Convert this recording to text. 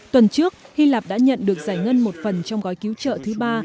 tuần trước hy lạp đã nhận được giải ngân một phần trong gói cứu trợ thứ ba